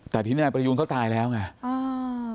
แต่ทีนี้นายประยูนเขาตายแล้วไงอ่า